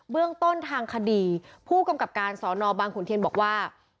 เรื่องต้นทางคดีผู้กำกับการสอนอบางขุนเทียนบอกว่า